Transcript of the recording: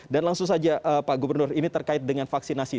dan langsung saja pak gubernur ini terkait dengan vaksinasi